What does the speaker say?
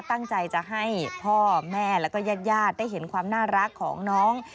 ตั้งใจจะให้พ่อแม่แล้วก็ญาติญาติได้เห็นความน่ารักของน้อง